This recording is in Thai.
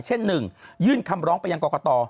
เช่น๑ยื่นคำร้องไปยังกรกต